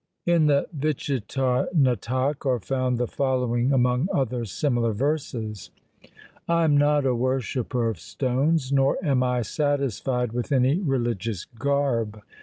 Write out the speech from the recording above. In the Vichitar Natak are found the following among other similar verses :— I am not a worshipper of stones, Nor am I satisfied with any religious garb.